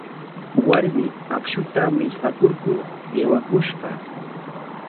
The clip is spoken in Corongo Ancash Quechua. Warmi akshuta millqakurkur aywakushqa.